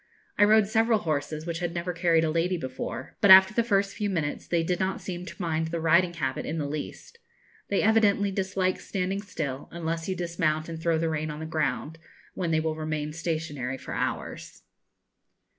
I rode several horses which had never carried a lady before; but after the first few minutes they did not seem to mind the riding habit in the least. They evidently dislike standing still, unless you dismount and throw the rein on the ground, when they will remain stationary for hours.